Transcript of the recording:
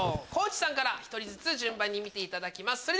地さんから１人ずつ順番に見せていただきます。